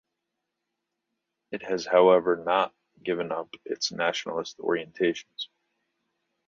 It has however not given up its nationalist orientations.